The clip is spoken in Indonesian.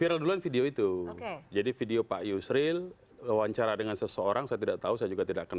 ada apa yang diperlukan